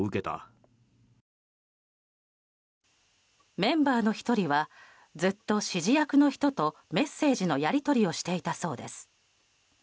メンバーの１人はずっと指示役の人とメッセージのやり取りをしていたそうです。